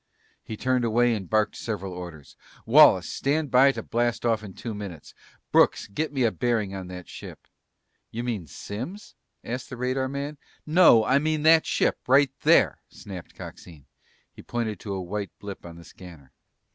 He turned away and barked several orders. "Wallace, stand by to blast off in two minutes! Brooks, get me a bearing on that ship." "You mean Simms?" asked the radarman. "No! I mean that ship, right there," snapped Coxine. He pointed to a white blip on the scanner.